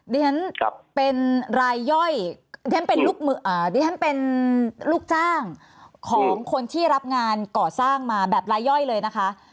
ดิฉันเป็นลูกจ้างของคนที่รับงานก่อสร้างมาแบบลาย่อยเลยนะคะ